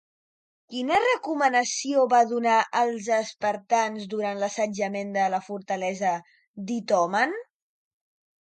Quina recomanació va donar als espartans durant l'assetjament de la fortalesa d'Itomen?